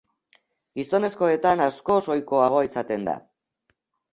Gizonezkoetan askoz ohikoagoa izaten da.